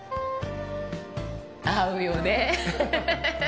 合うよね。